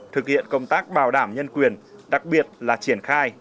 thực hiện công tác bảo đảm nhân quyền đặc biệt là triển khai